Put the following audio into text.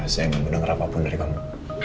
saya gak mau denger apapun dari kamu